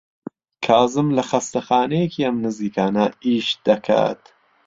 کازم لە خەستەخانەیەکی ئەم نزیکانە ئیش دەکات.